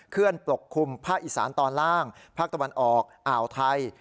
เคลื่อนปกคลุมภาคอีสานตอนล่างภาคตะวันออกอ่าวไทย